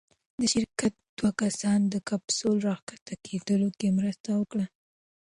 د شرکت دوه کسان د کپسول راښکته کېدو کې مرسته وکړه.